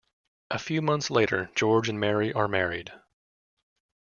A few months later, George and Mary are married.